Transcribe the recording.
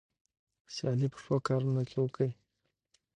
سیالي په ښو کارونو کې وکړئ.